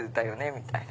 みたいな。